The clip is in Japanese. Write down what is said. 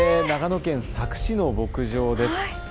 長野県佐久市の牧場です。